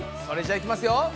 それじゃいきますよ！